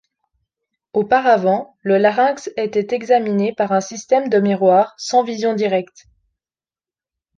Auparavant, le larynx était examiné par un système de miroir sans vision directe.